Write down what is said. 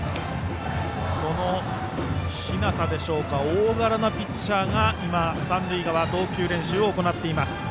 その日當でしょうか大柄なピッチャーが今、三塁側で投球練習を行っています。